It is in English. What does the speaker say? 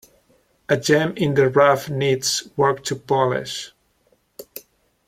A gem in the rough needs work to polish.